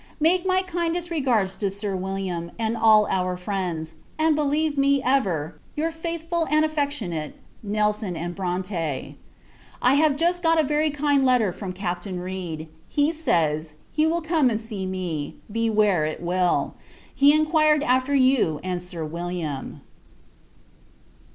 Make my kindest regards to Sir William, and all our friends; and believe me, ever, your faithful and affectionate NELSON & BRONTE. I have just got a very kind letter from Captain Read. He says, he will come and see me, be where it will. He inquired after you and Sir William.